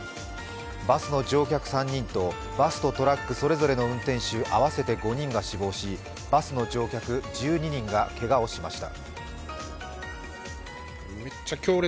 バスの乗客３人とバスとトラックそれぞれの運転手合わせて５人が死亡し、バスの乗客１２人がけがをしました。